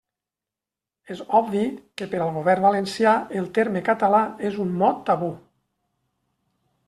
És obvi que per al govern valencià el terme català és un mot tabú.